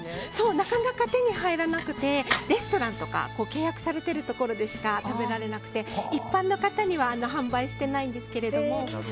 なかなか手に入らなくてレストランとか契約されているところでしか食べられなくて一般の方には販売していないんですけれども。